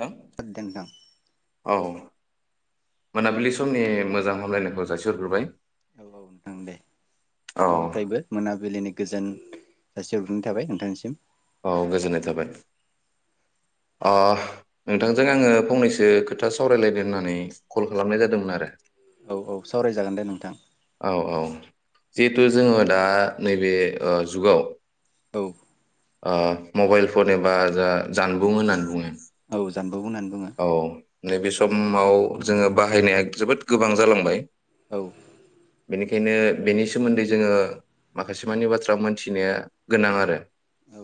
नोंथां खोनादों नोंथां औ मोनाबिलि समनि मोजां हामलायनायखौ जासि हरग्रोबाय औ औ नोंथां दे आंनिफ्रायबो मोनाबिलिनि गोजोन जासि हरग्रोनाय थाबाय नोंथांनिसिम औ गोजोननाय थाबाय अ नोंथांजों आङो फंनैसो खोथा सावरायलायनो होननानै कल खालामनाय जादोंमोन आरो औ औ सावरायजागोन दे नोंथां औ औ जिहेथु जोङो दा नैबे ओ जुगाव औ ओ मबाइल फन एबा जा जानबुं होननानै बुङो औ जानबु होननानै बुङो माव जोङो बाहायनाया जोबोद गोबां जालांबाय औ बेनिखायनो बेनि सोमोनदै जोङो माखासेमानि बाथ्रा मोनथिनाया गोनां आरो औ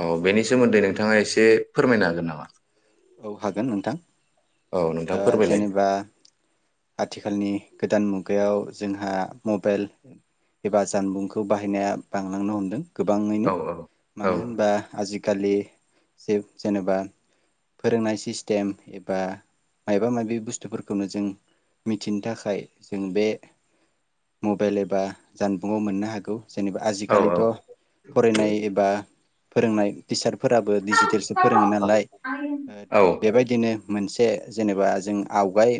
औ बेनि सोमोनदै नोंथाङा एसे फोरमायनो हागोन नामा औ हागोन नोंथां औ नोंथां ओ फोरमायलाय जेनेबा आथिखालनि गोदान मु मुगायाव जोंहा मबाइल एबा जानबुंखौ बाहायनाया बांलांनो हमदों गोबाङैनो औ औ मानो होनबा आजि खाालि जेनेबा फोरोंनाय सिस्टेम एबा माइबा माइबि बुस्थुफोरखौनो जों मिथिनो थाखाय जों बे मबाइल एबा जानबुंआव मोननो हागौ जेनेबा औ आजिखालिथ फरायनाय एबा फोरोंनाय टिचार फोराबो डिजिटेलसो फोरोङो नालाय बेबायदिनो मोनसे जेनेबा जों आवगाय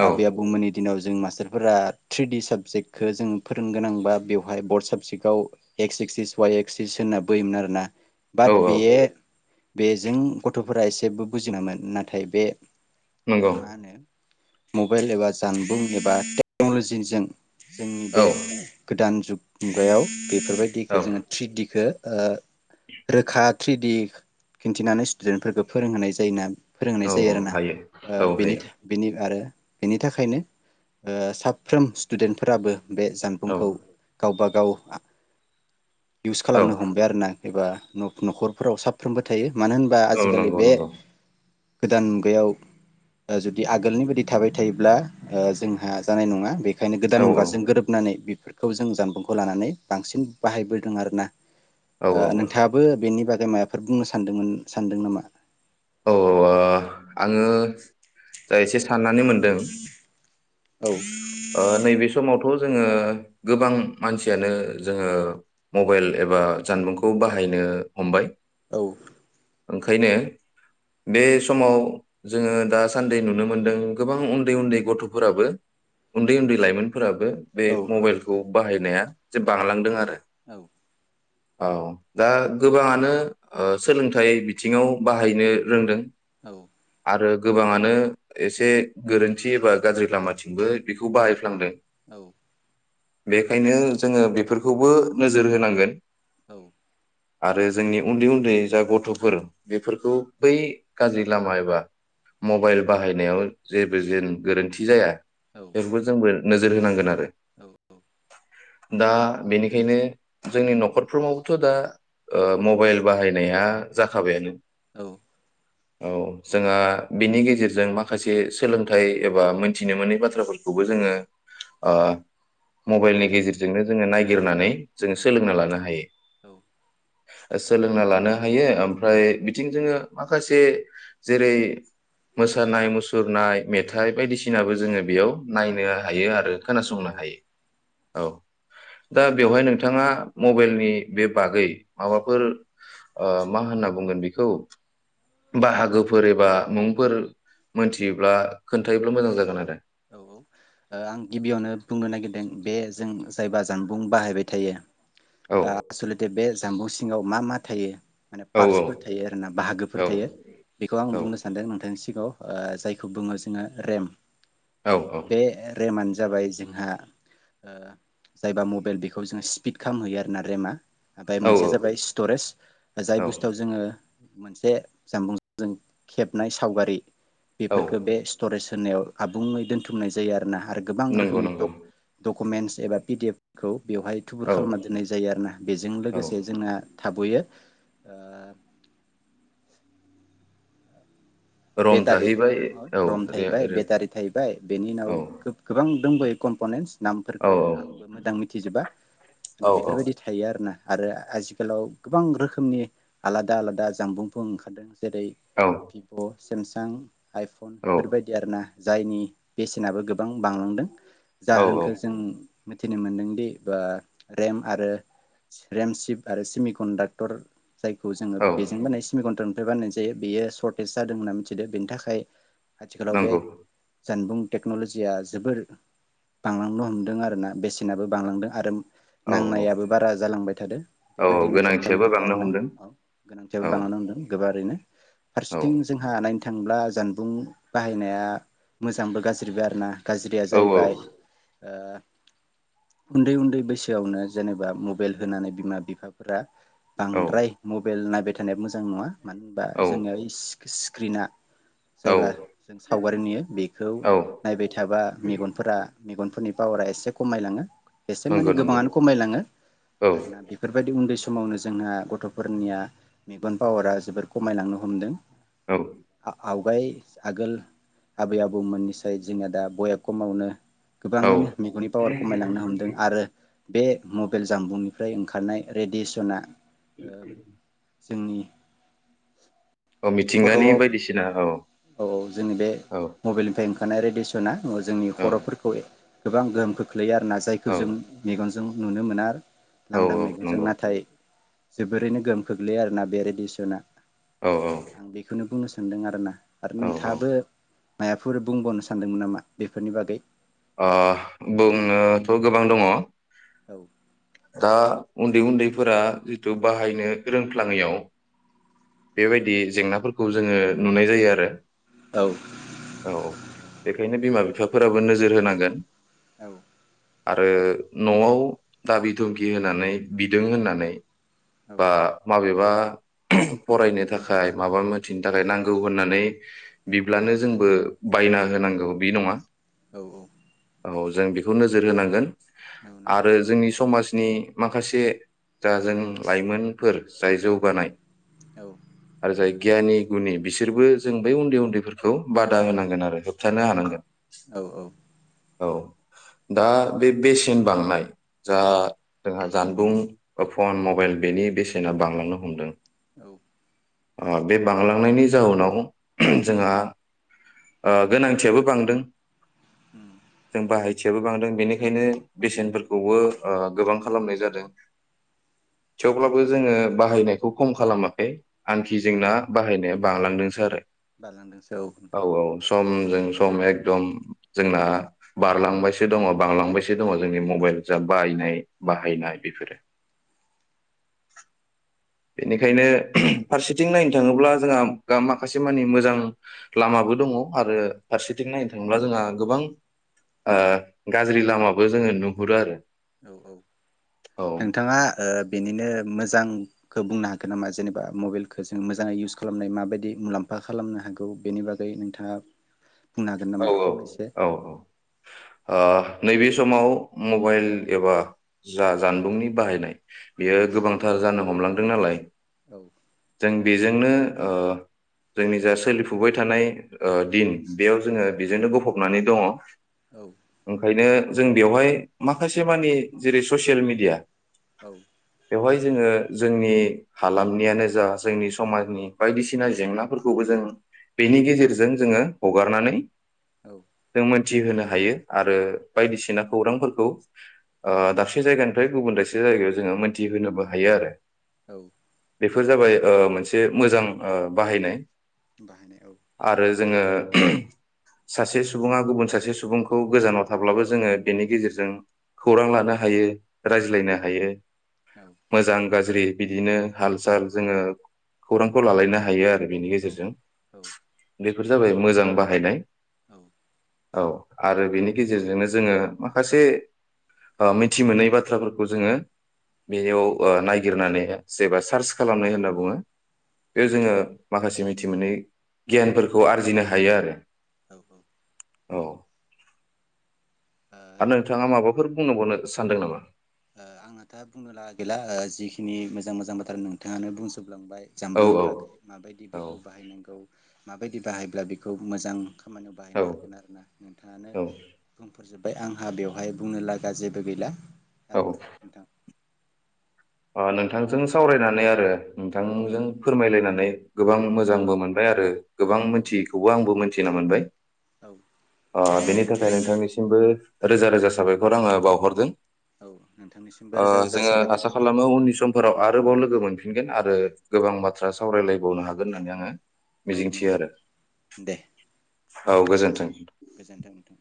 औ आबै आबौमोननि दिनाव जों मास्टारफोरा थ्रि डि साबजेक्टखो जों फोरोंनोगोनांबा बेवहाय बर्ड साबजेक्टआव एक्स एक्सिस वाइ एक्सिस होनना बोयोमोन आरोना बाद औ औ बेयो बेजों गथफोरा एसेबो बुजिनामोन नाथाय बे नंगौ माहोनो मबाइल एबा जानबुं एबा टेक्नलजिजों जोंनि औ बे गोदान जुग मुगायाव बेफोरबायदिखौ औ जोङो थ्रिडिखौ ओ रोखा थ्रिड खिन्थिनानै देन्फोरखौ फोरोंहोनाय जायो ना फोरोंहोनाय जायो औ आरोना हायो ओ औ बेनि हायो बेनि आरो बेनि थाखायनो ओ साफ्रोम स्टुडेन्टफोराबो बे औ जानबुंखौ गावबा गाव गाव इउस औ खालामनो हमबाय आरो ना एबा नखरफोराव साफ्रोमबो थायो मानो होनबा औ आजिखालि नंगौ बे नंगौ गोदान मुगायाव ओ जुदि आगोलनि बायदि थाबाय थायोब्ला ओ जोंहा जानाय नङा बे बेखायनो औ गोदान मुगाजों गोरोबनानै बेफोर खौ जों जानबुंखौ लानानै बांसिन बाहायबोदों आरोना औ ओ औ नोंथाङाबो बेनि बागै मायाफोर बुंनो सानदोंमोन सानदों नामा औ [unintelligible] आङो जाय एसे सान [unintelligible] औ ओ नैबे समावथ जोङो गोबां मानसियानो जोङो मबाइल एबा जानबुंखौ बाहायनो हमबाय औ ओंखायनो बे समाव जोङो दासान्दि नुनो मोनदों गोबां उन्दै उन्दै गथफोराबो उन्दै उन्दै लाइमोन फोराबो बे औ मबाइलखौ बाहाय नाया जे बांलांदों आरो औ औ दा गोबाङानो ओ सोलोंथाइ बिथिङाव बाहायनो रोंदों औ आरो गोबाङानो एसे गोरोन्थि एबा गाज्रि लामाथिंबो बेखौ बाहायफ्लांदों औ बेखायनो जोङो बेफोरखौबो नोजोर होनांगोन औ आरो जोंनि उन्दै उन्दै जा गथ'फोर बेफोरखौ बै गाज्रि लामा एबा मबाइल बाहायनायाव जेबो जेन गोरोन्थि जाया औ बेफोरखौ जोंबो नोजोर होनांगोन आरो औ औ दा बेनिखायनो जोंनि नखरफ्ररमावबोथ दा ओ मबाइल बाहायनाया जाखाबायानो औ औ जोंहा बिनि गेजेरजों माखासे सोलोंथाइ एबा मोनथिनो मोनै बाथ्राफोरखौबो जोङो ओ मबाइलनि मोनथि गेजेरजोंनो जोङो औ औ नायागिरनानै जोङो औ सोलोंना लानो हायो सोलोंना लानो हायो ओमफ्राय बिथिं जोङो माखासे जेरै मोसानाय मुसुरनाय मेथाइ बायदिसिनाबो जोङो बेयाव नायनो हायो आरो खोनासंनो हायो औ दा बेवहाय नोंथाङा मबाइलनि बे बागै माबाफोर ओ मा होनना बुंगोन बेखौ बाहागोफोर एबा मुंफोर मोनथियोब्ला खोन्थायोबला मोजां जागोन आरो औ औ ओ आं गिबियावनो बुंनो नागिरदों बे जों जायबा जानबुं बाहायबाय थायो ओ आसलथे बे जानबुं सिङाव मा मा थायो माने औ पार्टसफोर थायो आरो ना औ बाहागोफोर थायो बेखौ आं औ बुंनो सानदों नोंथांनिसिम गौ ओ जायखौ बुङो जोङो रेम औ बे रे [unintelligible] जाबाय जोंहा ओ जायबा मबाइल बेखौ जों स्पिड खालामहैयो आरोना रेमा। ओमफ्राय औ मोनसेया जाबाय स्टरेज जाय औ बुस्थुआव जोङो मोनसे जानबुं जों खेबनाय सावगारि औ बेफोरखौ बे स्टरेज होननायाव आबुंङै दोनथुमनाय जायो आरो ना। आरो गोबां नंगौ रोखोमनि दक नंगौ दक डकुमेन्टस एबा पि डि एफ खौ बेवहाय थुबुर औ खालामना दोननाय जायो आरो ना बेजों औ लोगोसे जोंना थाबैयो रम बेटारि थाहैबाय औ रम रे थाहैबाय रे बेटारि थाहैबाय बेनि उनाव औ गो गोबां दोंबायो कमपनेन्स औ नामफोरखो आंबो मोजां मिथिजोबा औ बेफोरबायदि थायो आरोना आरो आथिखालाव गोबां रोखोमनि आलादा आलादा जामबुंफोर ओंखारदों । जेरै औ भिभ सेमसां आइफन बेफोरबायदि आर ना जायनि बेसेनाबो गोबां बांलांदों औ जाहोनखौ जों मिथिनो मोन्दोंदि बा रेम आरो रेम सिप आरो सिमि कन्डाक्टर जायखौ जोङो औ बेजों होनाय सिमिकन्टन बानायनाय जायो बेयो सर्टेज जादों होनना मिथिदों बेनि थाखाय आथिखालाव बे नंगौ जानबुं टेक्नलजिया जोबोर बांलांनो हमदों आरो ना बेसेनाबो बांलांदों आरो औ नांनायाबो बारा जालांबाय थादो औ बेबायदिनो जालांबाय गोनांथियाबो थादों बांनो आरो ना हमदों औ गोनांथियाबो औ बांलांनो हमदों गोबारैनो [unintelligible] औ जोंहा [unintelligible] थांब्ला जानबुं बाहायनाया मोजांबो गाज्रिबो आरो ना। गाज्रिया औ जाहैबाय औ उन्दै उन्दै बैसोआवनो जेनेबा मबाइल होनानै बिमा बिफाफोरा औ बांद्राय मबाइल नायबाय थानायाबो मोजां नङा मानो होनबा औ जोनिया इसे स्क्रिना औ जायबा जों सावगारि नुयो बेखौ औ नायबाय थाबा मेगनफोरा मेगनफोरनि पावारा एसे खमायलाङो एसे माने नंगौ नंगौ गोबाङानो खमायलाङो औ आर ना बेफोरबायदि उन्दै सम समावनो जोंहा गथफोरनिया मेगन पावारा जोबोर खमायलांनो हमदों। औ आ-औ फाय आगोल आबै आबौमोननिसाय जोंहा दा बया कमावनो औ गोबाङैनो मेगननि पावार खमायलांनो हमदों आरो बे मबाइल जाम्बुंनिफ्राय ओंखारनाय रेडियेसना ओम जोंनि औ मिथिंगानि खर' बायदिसिना औ औ माने रेडिसना जोंनि औ खर'फोरखौ गोबां गोहोम खोख्लै लैयो आरो ना जायखौ जों मेगन जो जों नुनो मोना आरो औ लांदां मैगनजों नंगौ नाथाय जोबोरैनो गोहोम खोख्लै लैयो आरोना बे रेडिसना औ औ बेखौनो बुंनो सानदों आरो ना। आरो औ नोंथाङाबो मायाफोर बुंबावनो सानदोंमोन नामा बेफोरनि बागै ओ बुंनोथ गोबां दङ औ दा उन्दै उन्दैफोरा जितु बाहायनो रोंफ्लाङैयाव बेबायदि जेंनाफोरखौ जोङो नुनाय जायो आरो औ औ बेखायनो बिमा बिफाफोराबो नोजोर नोजोर होनांगोन औ आरो नआव दाबि दुमखि होनानै बिदों होननानै औ बा माबे माबा फरायनो थाखाय माबा मोनथिनो थाखाय नांगौ होननानै बिब्लानो जोंबो बायना होनांगौ बे नङा औ औ औ जों बेखौ नोजोर होनांगोन नंगौ आरो नोंथां जोंनि समाजनि माखासे जा जों लाइमोनफोर जाय जौगानाय औ आरो जाय गियानि गुनि बिसोरबो जों बै उन्दै उन्दैफोरखौ बादा होनांगोन आरो । होबथानो हानांगोन औ औ दा बे बेसेन बांनाय जा औ जोंहा जानबुं फन मबाइल बेनि बेसेना बांलांनो हमदों औ ओ बे बांलांनायनि जाउनाव जोंहा ओ गोनांथियाबो बांदों जों बाहाय गोनांथियाबो बांदों बेनिखायनो बेसेनफोरखौबो ओ गोबां खालामनाय जादों थेवब्लाबो जोङो बाहायनायखौ खम खालामाखै आनखि जोंना बाहायनायाबो बांलांदोंसो आरो बांलांदोंसो औ नोंथां समजों सम एकदम जोंना बारलांबायसो दङ बांलांबायसो जे दङ जोंनि मबाइल औ जा बाहायनाय बाहायनाय बेफोरो बेनिखायनो फारसेथिं नायनो थाङोब्ला जोंहा माखासे मानि मोजां लामाबो दङ आरो फारसेथिं नायनो थाङोब्ला जोंहा गोबां ओ गाज्रि लामाबो जोङो नुहुरो आरो औ औ औ नोंथाङा ओ बेनिनो मोजां खौ बुंनो हागोन नामा जेनेबा मबाइलखौ जों मोजाङै इउस खालामनाय माबायदि मुलामफा खालामनो हागौ बेनि बागै नोंथाङा बुंनो हागोन औ नामा औ फंनैसो औ औ आ नैबे समाव मबाइल एबा जा जानबुंनि बाहायनाय बेयो गोबांथार जानो हमलांदों नालाय औ जों बेजोंनो ओ जोंनि जा सोलिफुबाय थानाय ओ दिन बेयाव जोङो बेजोंनो गफबनानै दङ औ ओंखायनो जों बेवहाय माखासे मानि जेरै ससियेल मिडिया औ बेवहाय जोङो जोंनि हालामनियानो जा जोंनि समाजनि बायदिसिना जेंनाफोरखौबो जों बेनि गेजेरजों जोङो हगारनानै जों मोनथिहोनो हायो आरो बायदिसिना खौरांफोरखौ ओ दाबसे जायगानिफ्राय गुबुन दाबसे जायगायाव जोङो मोनथिहोनोबो हायो आरो औ बेफोर जाबाय ओ मोनसे मोजां ओ बाहायनाय बाहायनाय औ आरो जोङो सासे सुबुङा गुबुन सासे सुबुंखौ गोजानाव थाब्लाबो जोङो बेनि गेजेरजों खौरां लानो हायो औ रायज्लायनो हायो औ मोजां गाज्रि बिदिनो हाल साल जोङो खौरांखौ लालायनो हायो आरो बेनि गेजेरजों बेफोर जाबाय मोजां बाहायनाय औ औ आरो बेनि गेजेरजोंनो जोङो माखासे ओ मिथि मोनै बाथ्राफोरखौ जोङो बेयाव ओ नायागिरनानै जेबा सार्च खालामनाय होनना बुङो बे जोङो माखासे मिथि मोनथि मोनै गियानफोरखौ आरजिनो हायो आरो औ औ औ आरो नोंथाङा माबाफोर बुंनोबावनो सानदों नामा आंनाथ‌ बुंनो लागा गैला जिखिनि मोजां मोजां बाथ्रा नोंथाङानो बुंजोब लांबाय औ जामबुंनि औ बागै माबायदि औ बेखौ बाहायनांगौ माबायदि बाहायब्ला बेखौ मोजां? खामानियाव औ बाहायनो हागोन आरोना नोंथाङानो बुंफोरजोब ओमफ्राय आंहा बेवहाय बुंनो लागा जेबो गैला औ आरोना नोंथां नोंथांजों सावरायनानै आरो औ नोंथांजों फोरमायलायनानै गोबां औ मोजांबो मोनबाय आरो गोबां औ मोनथियैखौबो आंबो मोनथि थिना मोनबाय औ ओ बेनि थाखाय नोंथांनिसिमबो रोजा रोजा साबायखर आङो बावहरदों औ नोंथांनिसिमबो ओ रोजा रोजा जोङो साबायखर आसा थाबाय खालामो उननि समफोराव आरोबाव लोगो मोनफिनगोन आरो गोबां बाथ्रा सावरायलायबावनो हागोन होननानै आङो औ मिजिंथियो नोंथां आरो दे औ गोजोन्थों गोजोन्थों नोथां